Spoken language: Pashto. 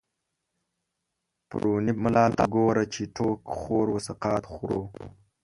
پرو ني ملا ته ګوره، چی ټو ک خور و سقا ط خورو